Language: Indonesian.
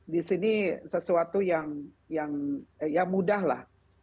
di sini sesuatu yang ya mudah lah